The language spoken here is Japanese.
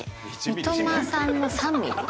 三笘さんの３ｍｍ？